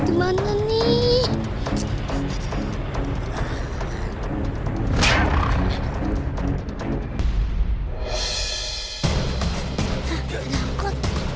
suara kayak gitu